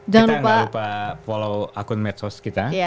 jangan lupa follow akun medsos kita